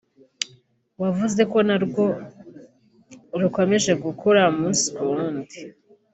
wavuze ko narwo rukomeje gukura umunsi ku wundi